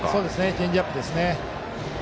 チェンジアップですね。